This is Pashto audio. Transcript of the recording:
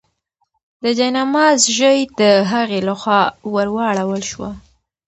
د جاینماز ژۍ د هغې لخوا ورواړول شوه.